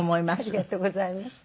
ありがとうございます。